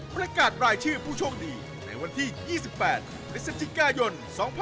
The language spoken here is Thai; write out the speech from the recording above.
ประกาศรายชื่อผู้โชคดีในวันที่๒๘พฤศจิกายน๒๕๖๒